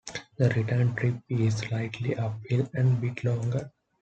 The return trip is slightly uphill and a bit longer.